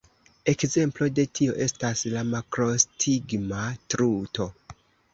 Ekzemplo de tio estas la makrostigma truto.